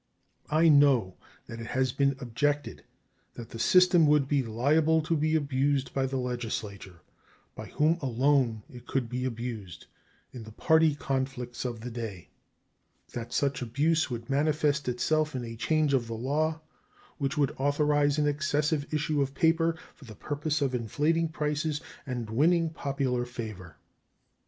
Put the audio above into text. I know that it has been objected that the system would be liable to be abused by the Legislature, by whom alone it could be abused, in the party conflicts of the day; that such abuse would manifest itself in a change of the law which would authorize an excessive issue of paper for the purpose of inflating prices and winning popular favor.